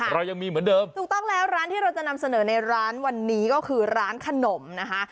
เรายังมีเหมือนเดิมถูกต้องแล้วร้านที่เราจะนำเสนอในร้านวันนี้ก็คือร้านขนมนะคะ